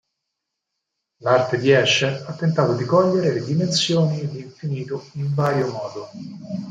L'arte di Escher ha tentato di cogliere le dimensioni di infinito in vario modo.